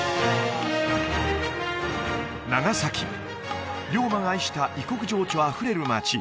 長崎龍馬が愛した異国情緒あふれる町